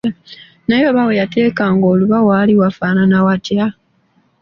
Naye oba we yateekanga oluba waali wafaanana watya?